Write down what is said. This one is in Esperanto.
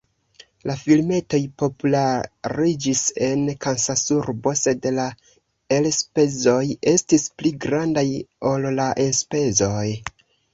La filmetoj populariĝis en Kansasurbo sed la elspezoj estis pli grandaj ol la enspezoj.